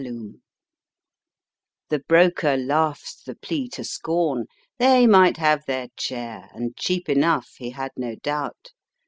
THE DRAWING ROOM The broker laughs the plea to scorn ; they might have their chair, and cheap enough, he had no doubt.